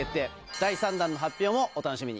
第３弾の発表もお楽しみに。